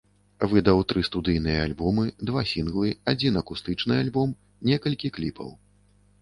Выдаў тры студыйныя альбомы, два сінглы, адзін акустычны альбом, некалькі кліпаў.